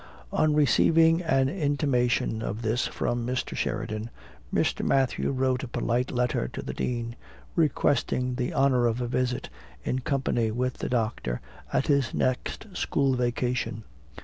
On receiving an intimation of this from Sheridan, Mr. Matthew wrote a polite letter to the Dean, requesting the honor of a visit, in company with the doctor, at his next school vacation.